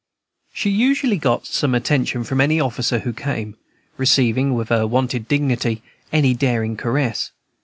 She usually got some attention from any officer who came, receiving with her wonted dignity any daring caress.